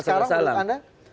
dan sekarang menurut anda